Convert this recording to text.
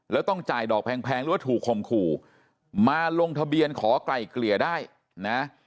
แล้วต้องจ่ายดอกแพงหรือว่าถูกคมขู่มาลงทะเบียนขอไกล่เกลี่ยได้นะ